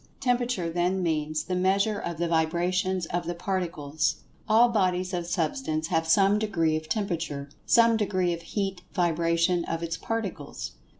Temperature then means "the measure of the vibrations of the Particles." All bodies of Substance have some degree of Temperature—some degree of heat vibration of its Particles.